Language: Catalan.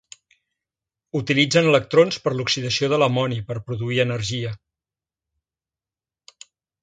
Utilitzen electrons per l'oxidació de l'amoni per produir energia.